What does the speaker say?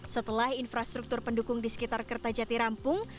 setelah infrastruktur pendukung di sekitar kertajati rampung